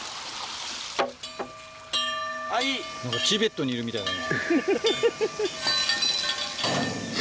なんかチベットにいるみたいだね。